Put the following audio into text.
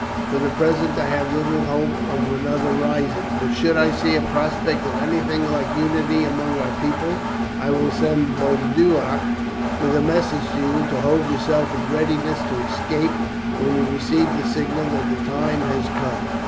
For the present I have little hope of another rising; but should I see a prospect of anything like unity among our people, I will send Boduoc with a message to you to hold yourself in readiness to escape when you receive the signal that the time has come.